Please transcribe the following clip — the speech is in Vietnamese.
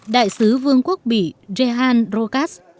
đại sứ vương quốc bỉ rehan rokas